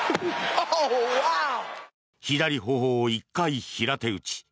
左頬を１回、平手打ち。